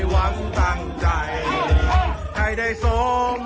แฮปปี้เบิร์สเจทูยู